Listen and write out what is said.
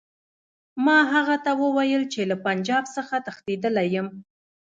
ما هغه ته وویل چې له پنجاب څخه تښتېدلی یم.